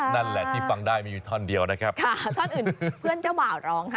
นั่นแหละที่ฟังได้มีอยู่ท่อนเดียวนะครับค่ะท่อนอื่นเพื่อนเจ้าบ่าวร้องค่ะ